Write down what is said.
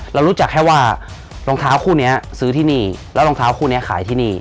เรารู้จักแค่ว่ารองเท้าคู่นี้ซื้อที่นี่แล้วรองเท้าคู่นี้ขายที่นี่